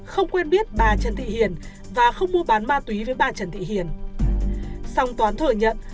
không quen biết bà trần thị hiền và không mua bán ma túy với bà trần thị hiền song toán thừa nhận